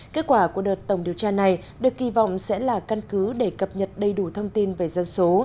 kết quả của đợt tổng điều tra này được kỳ vọng sẽ là căn cứ để cập nhật đầy đủ thông tin về dân số